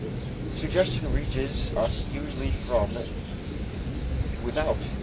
Suggestion reaches us usually from without.